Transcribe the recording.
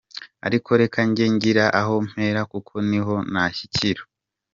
Ariko reka njye ngira aho mpera kuko niho nashyikira.